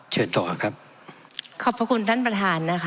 เชิญต่อครับขอบพระคุณท่านประธานนะคะ